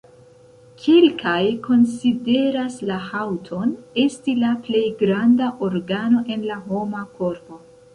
Kelkaj konsideras la haŭton esti la plej granda organo en la homa korpo.